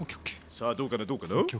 さあどうかなどうかな？